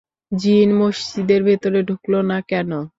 জিন মসজিদের ভেতরে ঢুকল না কেন?